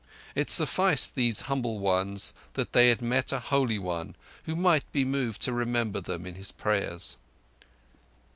It sufficed these humble ones that they had met a Holy One who might be moved to remember them in his prayers.